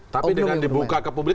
tapi dengan dibuka ke publik